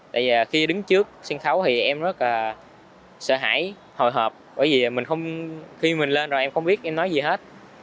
tại vì khi đứng trước sân khấu thì em rất là sợ hãi hồi hộp bởi vì khi mình lên rồi em không biết em nói gì hết